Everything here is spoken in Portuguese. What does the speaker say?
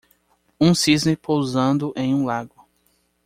Um cisne pousando em um lago.